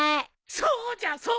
そうじゃそうじゃ。